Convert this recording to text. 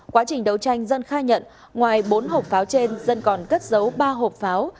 quá trình đấu tranh sơn khai nhận ngoài bốn hộp pháo trên sơn còn cất giấu ba hộp pháo